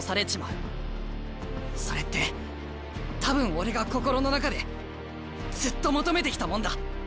それって多分俺が心の中でずっと求めてきたもんだ。